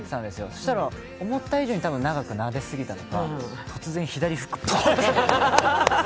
そしたら、思った以上に長くなですぎたのか、突然、左フック、ポンと。